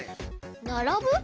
ならぶ？